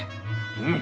うん。